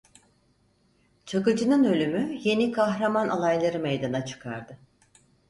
Çakıcının ölümü, yeni kahraman alayları meydana çıkardı.